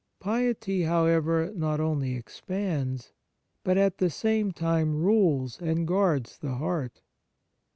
Piety, however, not only expands, but at the same time rules and guards the heart.